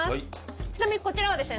ちなみにこちらはですね。